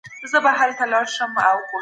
که استاد وضاحت ورکړی وای نو ابهام به نه و.